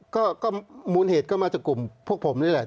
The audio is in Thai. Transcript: ก็มูลเหตุกลุ่มแหละ